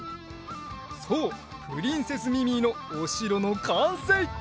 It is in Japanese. そうプリンセス・ミミィのおしろのかんせい！